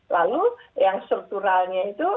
lalu yang strukturalnya itu